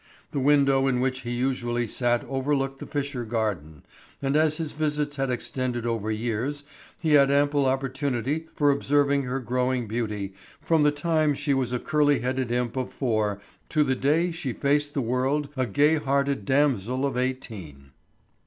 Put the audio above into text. The window in which he usually sat overlooked the Fisher garden, and as his visits had extended over years he had ample opportunity for observing her growing beauty from the time she was a curly headed imp of four to the day she faced the world a gay hearted damsel of eighteen.